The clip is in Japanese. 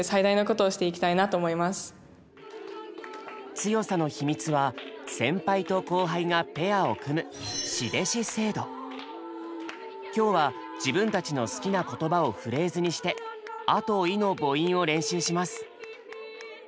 強さの秘密は先輩と後輩がペアを組む今日は自分たちの好きな言葉をフレーズにして「ア」と「イ」の母音を練習します。